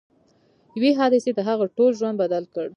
یوې حادثې د هغه ټول ژوند بدل کړ